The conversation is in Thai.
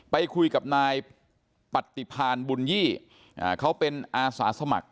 ไปคุยกับนายปฏิพานบุญยี่เขาเป็นอาสาสมัคร